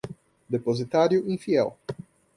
depositário infiel